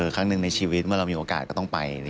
ครั้งหนึ่งในชีวิตเมื่อเรามีโอกาสก็ต้องไป